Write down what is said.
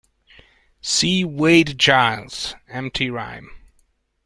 See Wade–Giles → Empty rime.